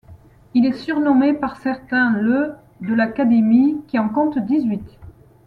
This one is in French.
Il est surnommé par certains le de l'Académie, qui en compte dix-huit.